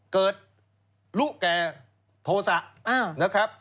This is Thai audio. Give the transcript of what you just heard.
เกิดรู้แก่โทษะนะครับ